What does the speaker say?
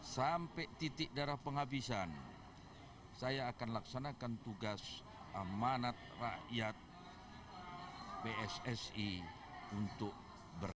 sampai titik darah penghabisan saya akan laksanakan tugas amanat rakyat pssi untuk berpen